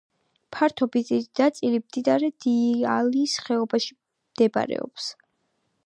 ფართობის დიდი ნაწილი მდინარე დიიალის ხეობაში მდებარეობს.